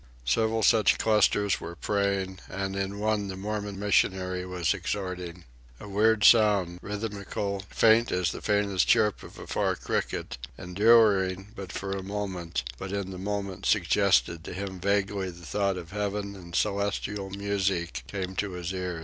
Several such clusters were praying, and in one the Mormon missionary was exhorting. A weird sound, rhythmical, faint as the faintest chirp of a far cricket, enduring but for a moment, but in the moment suggesting to him vaguely the thought of heaven and celestial music, came to his ear.